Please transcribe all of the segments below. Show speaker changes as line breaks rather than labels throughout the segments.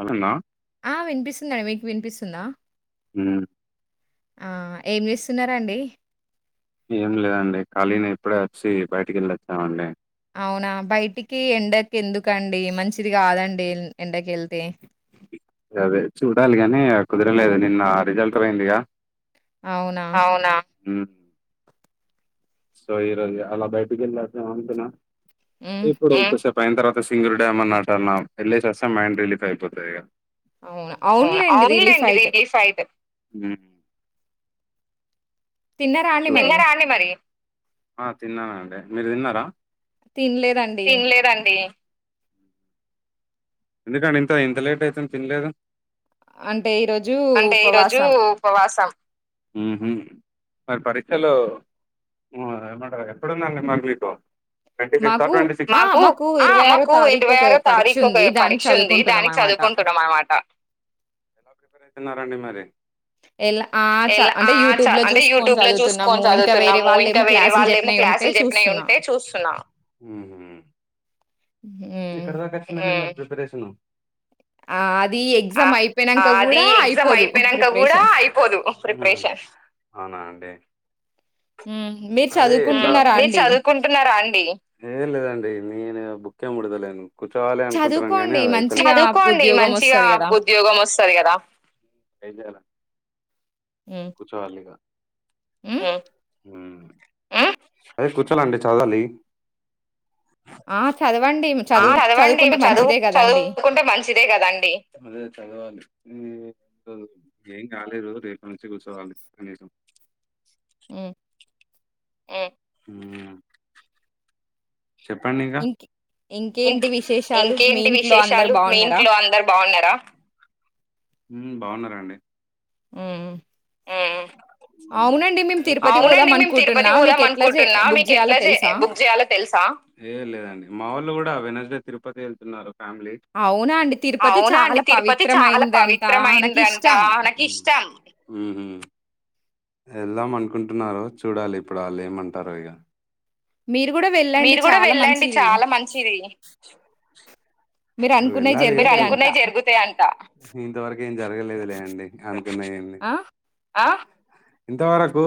అట్లాన్నా
ఆ వినిపిస్తుందండి మీకు వినిపిస్తుందా
ఆ
ఆ ఏం చేస్తున్నారా అండి
ఏం లేదండి ఖాళీని ఇప్పుడే వచ్చి బయటికి వెళ్ళొచ్చామండి
అవునా బయటికి ఎండకి ఎందుకండి మంచిది కాదండి ఎండకి వెళ్తే
అదే చూడాలి గాని కుదరలేదు నిన్న రిజల్ట్ అయిందిగా
అవునా
హ సో ఈ రోజు అలా బయటికి వెళ్ళా ఏ అంటున్నా ఇప్పుడు ఒస పోయిన తర్వాత సింగూ డ్యామ్ అన్నా వెళ్లేేస్తే మైండ్ రిలీఫ్ అయిపోతుంది గా అవును అవునులేండి రిలీ ఫ అయితే అ తిన్నారా అండి మరి ఆ తిన్నమ్మండి మీరు తిన్నారా
తినలేదండి
ఎందుకండి ఇంత ఇంత లేట్ అయితేంది తినలేదు అంటే ఈరోజు ఉపవాసం మ్ హూ మరి పరీక్షలు మ్ ఏమంటరు ఎప్పుడుందండి మరి మీకు twenty fifth uh twenty six తా మాకు ఆ మాకు ఇరవై ఆరో తారీఖు ఒక పరీక్ష ఉంది దానికి చదువుకుంటున్నం అన్నమాట ఎలా ఆ చ అంటే యూ ట్యూబ్ లో చూసుకొని చదువుతున్నాము ఇంకా వేరే వాళ్లు ఏమో క్లాసులు చెప్పినాయి ఉంటే చూస్తున్నా మ్ హూ ఎక్కడి దాకా వచ్చింది మరి ప్రిపరేషన్ ఆ అది ఎగ్జామ్ అయిపోయినాంక కూడా అయిపోదు ప్రిపరేషన్ అవునా అండి అదే మీరు చదువుకుంటున్నారా అండి ఏ లేదండి ఏ నేను బుక్కే ముడతలేను కూర్చోవాలి అనుకుంటున్నాం కాని అది అయితలేదు చదువుకోండి మంచిగా ఉద్యోగం వస్తది కదా ట్రై చేయాలా కూర్చోవాలి ఇగ మ్ మ్ మ్ అదే కూర్చోవాలి అండి చదవాలి ఆ చదవండి చదువు చదువుకుంటే మంచిదే కదండి అదే చదవాలి ఏం కాలేదు రేపటి నుంచి కూర్చోవాలి కనీసం
మ్
మ్ మ్ చెప్పండి ఇంకా ఇం ఇంకేంటి విశేషాలు మీ ఇంట్లో అందరు బావున్నారా మ్ బాగున్నార అండి
హ్మ్
హ్మ్ మ్ అవునండి మేము తిరుపతి పోదాం అనుకుంటున్నం మీకు ఎట్లా బుక్ చేయాలో తెలుసా ఏ లేదండి మా వోళ్లు కూడా వెనస్డే తిరుపతి వెళ్తున్నారు ఫ్యామిలీ అవునా అండి తిరుపతి చాలా పవిత్రమయిందంట నాకిష్ట ఉమ్ ఉహు వెళ్దాం అనుకుంటున్నారు చూడాలి ఇప్పుడు ఆళ్లు ఏమంటారో ఇగ మీరు కూడా వెళ్ళండి చాలా మంచిది వెళ్ళాలి మీరు అనుకున్నాయి జరుగుతాయి అంటా ఇంతవరకు ఏం జరగలేదులే అండి అనుకున్నాయి ఎంది అ ఇంతవరకు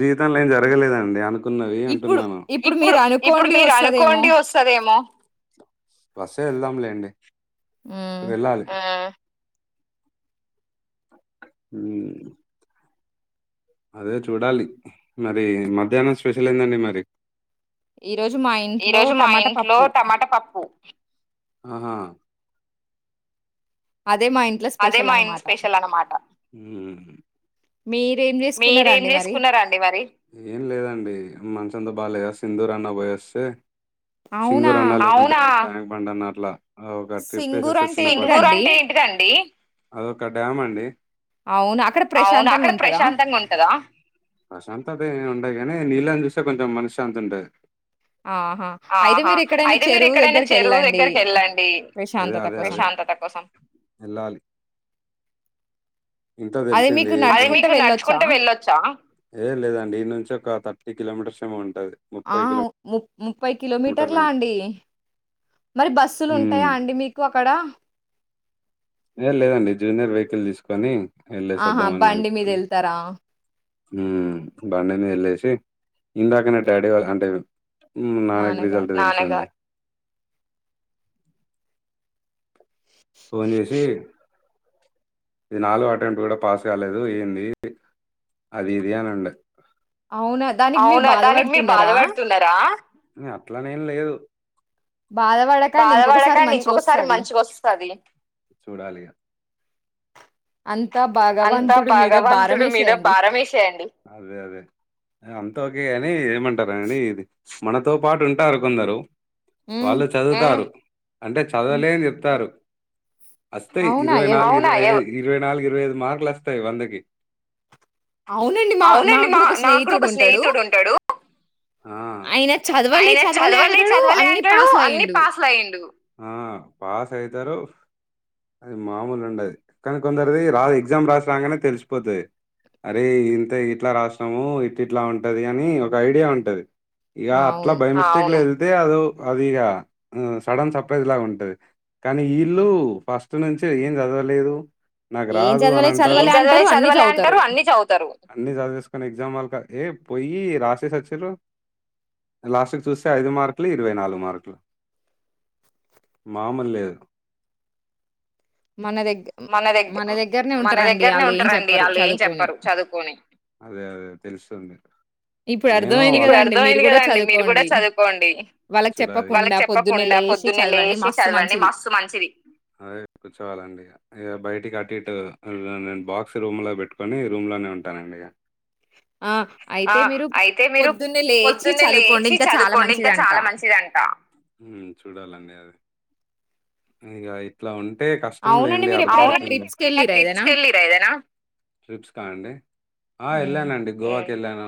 జీవితంలో ఏం జరగలేదండి అనుకున్నవి అంటున్నాను ఇప్పుడు ఇప్పుడు మీరు అనుకోండి వస్తదేమో వస్తే వెళ్దాంలేండి వెళ్ళాలి మ్ హ్మ్ అదే చూడాలి మరి మధ్యాహ్నం స్పెషల్ ఏందండి మరి ఈరోజు మా ఇంట్లో టమాటా పప్పు అహా అదే మా ఇన్ స్పెషల్ అన్నమాట మ్ హూ మీరేం చేసుకున్నారు అండి మరి ఏం లేదండి మనుస్ తందా బాలేదా సింగూరు అన్న పోయి వస్తే సింగూరు అన్న అవునా పండన్న అట్లా ఒక ట్రిప్ వేసేస్తే సింగూరు అంటే ఏంటింది అండి అదొక డ్యాం అండి
అవునా అక్కడ ప్రశాంతంగా ఉంటదా
టదా ప్రశాంతత ఏం ఉండదు కానీ నీళ్లని చూస్తే కొంచెం మనశ్శాంతి ఉంటది అహా అయితే మీరు ఎక్కడైనా చెరువు దగ్గరికి ఎళ్ళండి అదే అదే ప్రశాం తత కోసం వెళ్లాలి ఇంత తెలిసింది అది మీకు నడుచు కుంటు వెళ్ళచ్చ ఏ లేదండి ఈ నుంచి ఒక థర్టీ కిలోమీటర్స్ ఏమో
ఆ ము ముప్పై కిలోమీటర్లా అండి మరి బస్సులు ఉంటాయా అండి మీకు అక్కడ
ఏ లేదండి జూనియర్ వెహికల్ తీసుకొని వెళ్ళేసి వద్దామని అనుకుంటున్నా ఉ బండి మీద యెల్లెసి ఇందాకనే డాడీ వాళ్ళు హంటైనం ఉ నానకు రిజల్ట్ నాన్న గారు ఫోన్ చేసి ఇది నాలుగు అటెంప్ట్ కూడా పాస్ కాలేదు ఏంది అది ఇది అనుండే అవునా దానికి మీరు బాధ వడుతున్నరా ఇ అట్లాని ఏం లేదు
బాధవడకండి ఇంకొకసారి మంచిగాస్తది అం
అంత భాగవంతుడు మీద భారం ఏషెయండి అదే అదే అంత ఒ ఒకే అని ఏమంటారు అని ఇది మనతో పాటు ఉంటారు కొందరు వాళ్ళు చదువుతారు అంటే చదవలే అని చెప్తారు వస్తాయి ఇరవై నాలుగు ఇరవై నాలుగు ఇరవై ఐదు మార్కులు వస్తాయి వందకి అవునండి మా నాకు కూడా ఒక స్నేహితుడు ఉంటాడు అయన చదవలే చదవలే అంటాడు అన్ని పాస్ల అయిండు పాస్ అయితారు అది మామూలు ఉండది కానీ కొందరిది రాదు ఎగ్జామ్ రాసి రాంగానే తెలిసిపోతది అరే ఇంత ఇట్లా రాసినాము ఇట్ ఇట్లా ఉంటది అని ఒక ఐడియా ఉంటది ఇగా అట్లా బైమిస్టేక్ ల ఏళ్తే అదో అది ఇగ సడన్ సప్రైజ్ లాగా ఉంటది కానీ ఇళ్ళూ ఫస్ట్ నుంచి ఏం చదవలేదు నాకు రాదు అని చదవలే అంటారు అన్ని చదువుతారు అన్ని చదిని ఏ పోయి రాశేస్ వచ్చలు లాస్ట్ క చూస్తే ఐదు మార్కులు ఇరవై నాలుగు మార్కులు మామల్లేదు
మన దగ్గ మన దగ్గరనే ఉంటు
మన దగ్గరనే ఉంటారంండి వాళ్ళు ఏం చెప్పరు చదువుకొని అదే తెలుసు ఇప్పుడు అర్థమయింది కదండి మీరు కూడా చదువుకోండి వాళ్ళకి చెప్పకుండా పొద్న్న చ మ మంచిదేర్ం బయ నేను బాక్స్ రూమ్ లో పెట్టుకొని రూమ్ లోనే ఉంటానండి ఇ ఆ అయితే మీరు పొద్దున్నే లేచి చదువుకోండి ఇంకా చాలా మంచిదింట చూడాలండి అది ఇక ఇట్లా ఉంటే అంటే కష్టం లేండి అర్థతుంది ప్ం వెళ్ళానుండి గోవాకి వెళ్ళాను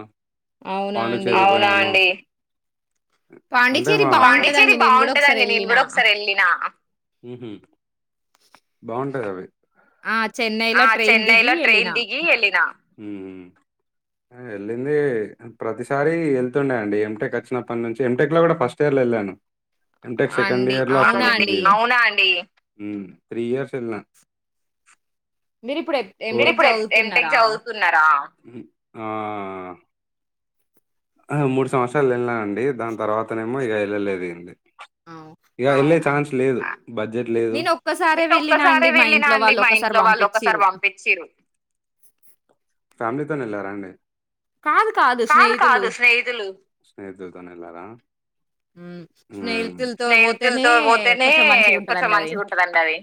అవునా అండి పాండిచ్చేరి బాగుంటదండి నేను కూడా ఒకసారి వెళ్ళిన హ బాగుంటాయి అవి ఆ చెన్నైలో ట్రైన్ దిగి ఎలినా వెళ్ళింది ప్రతిసారి వెళ్తుండేయం అండి ఎటెక్ వచ్చినప్పటి నుంచి ఎటెక్ లో కూడా ఫస్ట్ ఇయర్ లో వెళ్ళాను ఎక్ సెకండ్ ఇయర్లా అవునా అండి త్రీ ఇయర్స్ ఎల మీరు ఇప్పుడు ఎటెక్ చదువుతున్నారా మూడు సంవత్సరాలు వెళ్ళినానండి దాని తర్వాతనేమో ఇక వెళ్ళలేదు అండి ఇక వెళ్ళే ఛాన్స్ లేదు బడ్జెట్ లేదు నను ఒక్కసారే వెళ్ళిన అండి మా ఇంట్లో వాళ్ళ ప ఫ్యామిలీతో వెళ్లరా అండి
కాదు కాదు స్నేహితులు
స్నేహితులు స్నేహితులుతోనే ఎారా స్నేహితులతో పోతేనే కొంచెం మంచిగా ఉంటాదండి అది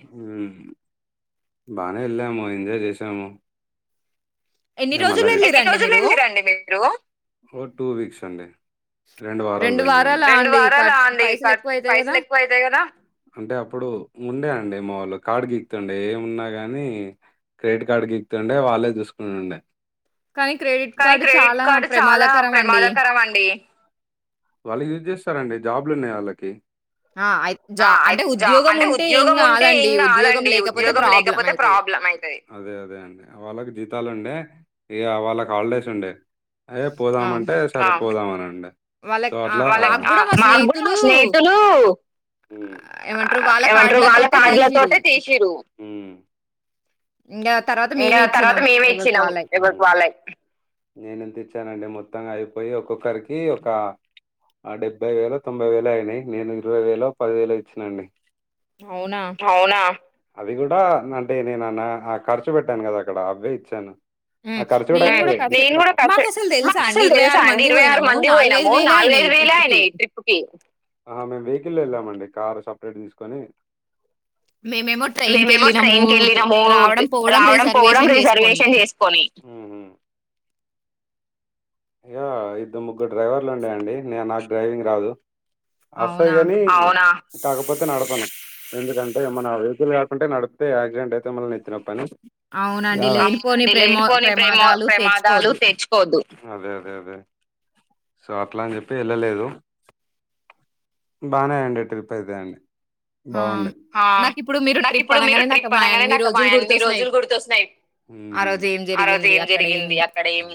బానే వెళ్ళాము ఎంజాయ్ చేసాము మ రజులుండిరు ఓ టూ వీక్స్ అండి రెండు వారాలు పోయినా మండి రెండు వారాలా అండి పైసలు ఎక్కువ అయితాయి కదా అంటే అప్పుడు ముందే అండి మాములు కాడు గిక్తుండే ఏమున్నా గాని క్రెడిట్ కార్డు గీక్కుతుండే వాళ్ళే చూసుకుతుండె కానీ క్రెడిట్ కార్డు చాలా ప్రమాదకర మండి వాళ్ళకి యూస్ చేస్తారండి జాబ్లు ఉన్నాయి వాళ్ళకి ఆ జా అంటే ఉద్యోగం ఉంటే ఏం కాదండి ఉద్యోగం లేకపోతే ప్రాబ్లం అదే అదే అండి వాళ్ళకి జీతాల అండి ఇ వాళ్ళకి హాలిడేస్ ఉండే అదే పోదామంటే పోదామనండి సో అట్లా మాకుడు స్నేహితులు ఏమంటారు వాళ్ళ కార్డుల తోటే తీసిరు ఇంకా తర్వాత మేమే ఇచ్చినాం ఎవరికి వాళ్ళ నే ఇచ్చానండి మం మంగా అయిపోయి ఒక్కొక్కరికి ఒక ఆ డెబ్బై వేలు తొంభై వేలు అయినాయి నేను ఇరవై వేలో పది వేలు ఇచ్చినాండి అవునా అవి కూడా అంటే నేనన్న ఖర్చు పెట్టాను కదా అక్కడ అవే ఇచ్చాను ఆ ఖర్చు నేను కూడా ఖర్చు అసలు తెలుసా అండి ఇరవై ఆరు మంది పోయినాము నాలుగు ఇరవై వేలు అయినాయి ఈ ట్రిప్కి ఆ మేము వెహికల్ వెళ్ళామండి కారు సపరేట్ తీసుకొని మేమేమో ట్రైన్ కి వెళ్ళినాము రావడం పోవడం రిజర్వేషన్ చేసుకొని య్యో ఇద్ద ముగ్గురు డ్రైవర్లు ఉండేయండి నే నాకు డ్రైవింగ్ రాదు ఆస్తాది గానీ కాకపోతే నడపను ఎందుకంటే మన వెహికల్ కాకుంటే నడిపితే ఆక్సిడెంట్ అయితే మలా నెత్తి నొప్పి హలో అవునండి లేనిపోని ప్రేమ ప్రమాదాలు తెచ్చుకోవద్దు అదే అదే అదే సో అట్లా అని చెప్పి వెళ్ళలేదు బానేయండి ట్రిప్ అయితే అండి బాగుండే అ నాకు ఇప్పుడు మీరు ట్రిప్ అనంగానే నాకు మా అన్ని రోజులు గుర్తొస్తున్నాయి ఉమ్ ఆ రోజు ఏం జరిగింది అక్కడ ఏం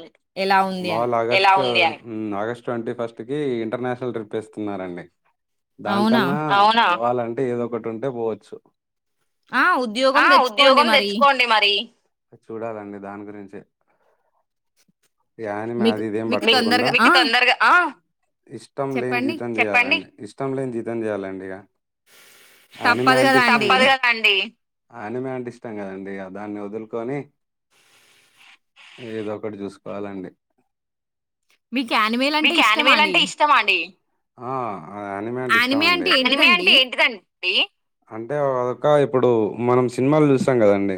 మావొళ్ళు ఎలా ఉందని మ్ ఆగస్టు ఆగస్ట్ ట్వంటీ ఫస్ట్ కి ఇంటర్నేషనల్ ట్రిప్ ఎస్తున్నారండి దానికన్నా అవునా పోవాలంటే ఏదో ఒకటి ఉంటే పోవచ్చు ఆ ఉద్యోగం తెచ్చుకోండి మరి చూడాలండి దాని గురించే ఎదిమేదేం అది ఇది పట్టుకోకుండా మీకు తొందరగా అ ఇష్టం లేని జీతం చేయాలండి చెప్పండి ఇష్టం లేని జీతం చెయాలండి ఇగా చెప్పదు కదాండి యానిమే అంటే ఇష్టం కదండి దాన్ని వదులుకొని ఏదొ ఒకటి చూసుకోవాలండి మీకు యానిమేల్ అంటే ఇష్టం అండి ఆ యానిమే అంటే ఇష్టమ అండి యానేమి అంటే ఏంటిదండి అంటే అదొక ఇప్పుడు మనం సినిమాలు చూస్తాం కదండి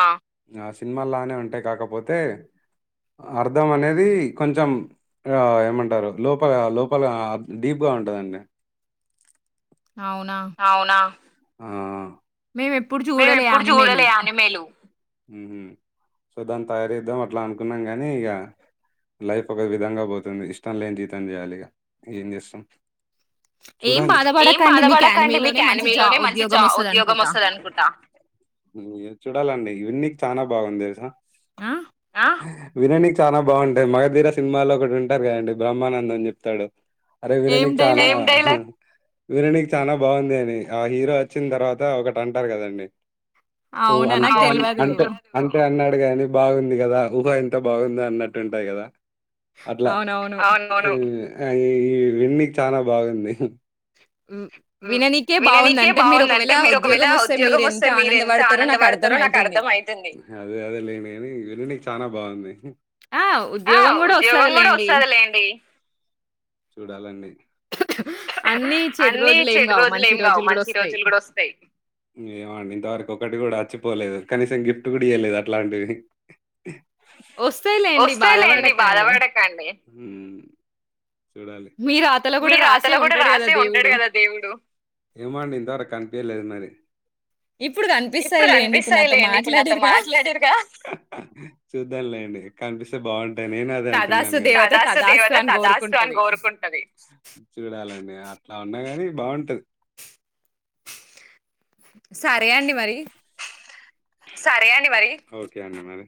ఆ సినిమాలానే ఉంటాయి కాకపోతే అర్ధం అనేది కొంచెం ఏమంటారు లోపల లోపల డీప్ గా ఉంటదండి అవునా మేము ఎప్పుడు చూడలే అనిమేలు ఉమ్ హా సో దాని తయారు చేద్దాం అట్లా అనుకున్నాం గాని ఇగా లైఫ్ ఒక విధంగా పోతుంది ఇష్టం లేని జీతం చేయాలి ఇగా ఏం చేస్తాం చూడాలి ఏం బాధపడకండి మీకు అనిమీలోనే మంచి జా ఉద్యోగం వస్తుంది అనుకుంటు చూడాలండి ఇవన్నీ యూనిక్ చానా బాగుంది తెలుసా వినణకి చాలా బాగుంటాయి మగధీర సినిమాల్లో ఒకటి ఉంటారు కదండి బ్రహ్మానంద అని చెప్తాడు అరే వినని చా ఎమ్ డైలాగే వీనన్నీ కి చాల బాగుంది అని ఆ హీరో వచ్చిన తర్వాత ఒకటి అంటారు కదండి ఓ అంటే అంటే అంటే అన్నాడు గాని బాగుంది కదా ఊహ ఎంత బాగుంది అన్నట్టు ఉంటాయి గదా అట్లా ఈ వెన్నికి చాలా బాగుంది విననికే బాగుంది అంటే మీరు ఒకవేళ ఉద్యోగం వస్తే మీరు ఎంత ఆనంద పడతరో నాకు అర్ధం అయితుంది అదే లేని అని విన్ననికి చాలా బాగుంది ఆ ఉద్యోగం గూడా వస్తదిలేండి చూడాలండి అన్ని చెడు రోజులు ఏమి గావు మంచి రోజులు కూడా వస్తాయి ఏమండి ఇంతవరకు ఒకటి కూడా అచ్చిపోలేదు కనీసం గిఫ్ట్ గూడా ఇయ్యలేదు అట్లాంటివి వస్తేలేండి బాధపడకండి
మీ రాత లో గూడా రాసి
లో కూడా రాసే ఉంటాడు కదా దేవుడు ఏమండి ఇంతవరకు కనిపియలేదు మరి
ఇప్పుడు
ఇప్పుడు కనిపిస్తాయిలేండి ఇప్పుడు నాతో మాట్లాడిర్గా చూద్దంలేండి కనిపిస్తే బాగుంటా నేను అది అంటున్నాను గదా తదాస్తు దేవత తదాస్తు అని కోరుకుంటది చూడాలండి అట్లా ఉన్నా గాని బాగుంటది
సరే అండి మరి
సారే అండి మరి ఓక అండి మరి